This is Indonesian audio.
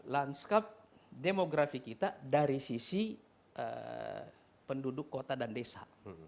lanskap demografi kita dari sisi penduduk kota dan desa